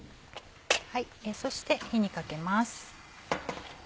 そして火にかけます。